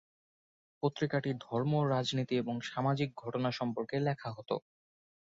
পত্রিকাটি ধর্ম, রাজনীতি, এবং সামাজিক ঘটনা সম্পর্কে লেখা হত।